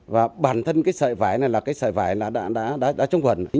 và bản thân cái sợi vải này là cái sợi vải đã trung quẩn